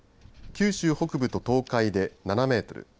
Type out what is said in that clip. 九州北部と東海で７メートル